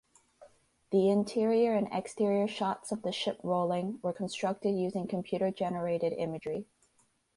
The interior and exterior shots of the ship rolling were constructed using computer-generated imagery.